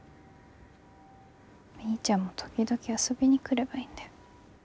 みーちゃんも時々遊びに来ればいいんだよ。